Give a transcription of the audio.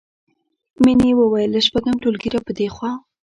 مینې وویل له شپږم ټولګي راپدېخوا